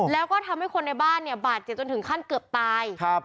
แล้วก็ทำให้คนในบ้านเนี่ยบาดเจ็บจนถึงขั้นเกือบตายครับ